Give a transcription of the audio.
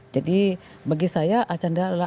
jadi bagi saya arkanra adalah